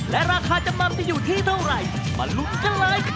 และราคาจำนำจะอยู่ที่เท่าไหร่มาลุ้นกันเลย